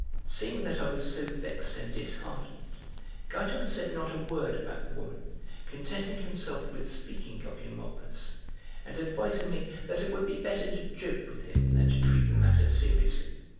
(Seeing that I was so vexed and disheartened, Giton said not a word about the woman, contenting himself with speaking of Eumolpus, and advising me that it would be better to joke with him than to treat the matter seriously.